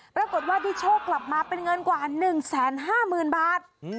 ปรากฏว่าได้โชคกลับมาเป็นเงินกว่า๑๕๐๐๐บาท